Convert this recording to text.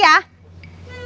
mas aku mau pergi